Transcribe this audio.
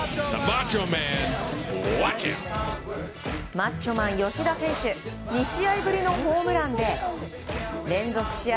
マッチョマン吉田選手２試合ぶりのホームランで連続試合